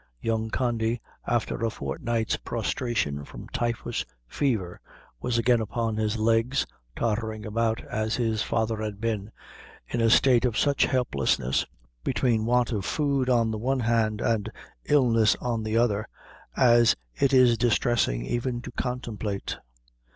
Young Condy, after a fortnight's prostration from typhus fever, was again upon his legs, tottering about, as his father had been, in a state of such helplessness between want of food on the one hand, and illness on the other, as it is distressing even to contemplate.